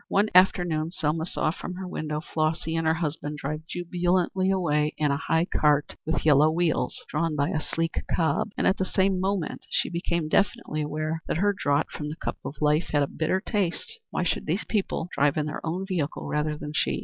One afternoon Selma saw from her window Flossy and her husband drive jubilantly away in a high cart with yellow wheels drawn by a sleek cob, and at the same moment she became definitely aware that her draught from the cup of life had a bitter taste. Why should these people drive in their own vehicle rather than she?